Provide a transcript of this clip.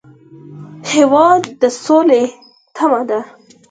هېواد د سولې تمه ده.